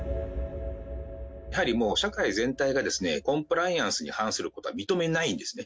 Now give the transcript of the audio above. やはりもう、社会全体がコンプライアンスに反することは認めないんですね。